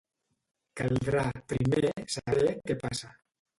Caldrà, primer, saber què passa.